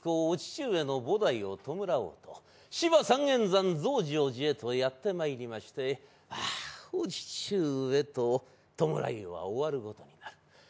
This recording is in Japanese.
お父上の菩提を弔おうと芝三縁山増上寺へとやってまいりましてあお父上と弔いは終わるごとになる。